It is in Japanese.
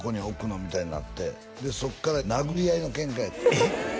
みたいになってでそこから殴り合いのケンカやってえっ？